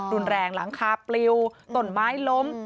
รุนแรงหลังคาปลิวต้นไม้ล้ม